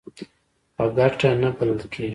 په ګټه نه بلل.